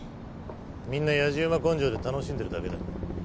みんなやじ馬根性で楽しんでるだけだ。